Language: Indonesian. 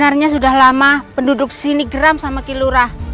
sebenarnya sudah lama penduduk sini geram sama kilurah